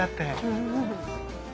うん。